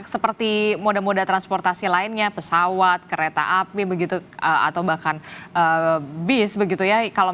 seperti moda moda transportasi lainnya pesawat kereta api begitu atau bahkan bis begitu ya